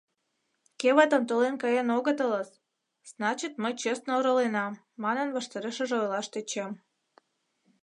— Кевытым толен каен огытылыс, значит, мый честно ороленам, — манын, ваштарешыже ойлаш тӧчем.